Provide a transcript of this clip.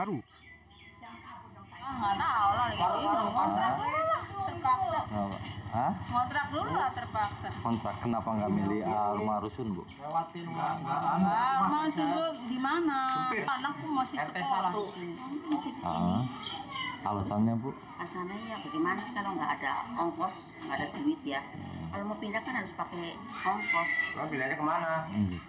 pembongkaran yang tidak mendapatkan ganti rugi adalah tempat tinggal baru